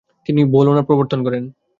তিনি বোলোনা প্রত্যাবর্তন করেন।